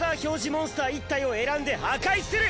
モンスター１体を選んで破壊する！